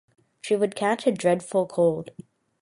She would catch a dreadful cold.